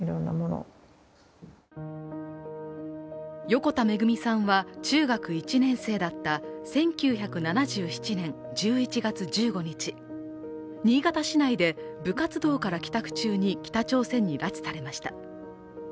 横田めぐみさんは中学１年生だった１９７７年１１月１５日、新潟市内で部活動から帰宅中に北朝鮮に拉致されました。